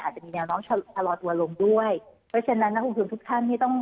อาจจะมีแนวน้องชะลอตัวลงด้วยเพราะฉะนั้นทุกท่านนี่ต้อง